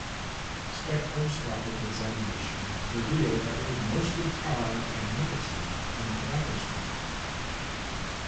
Spectroscopic examination revealed that it was mostly tar and nicotine from tobacco smoke.